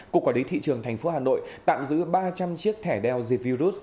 cục quản lý thị trường thành phố hà nội tạm giữ ba trăm linh chiếc thẻ đeo dịch virus